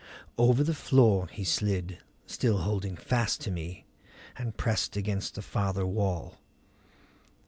Over the floor he slid, still holding fast to me, and pressed against the farther wall.